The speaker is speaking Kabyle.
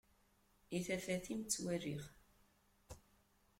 I tafat-im ttwaliɣ.